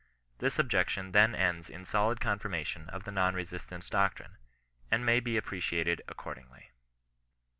This objection then ends in solid confirmation of the non resistance doctrine, and may be appreciated accordingly.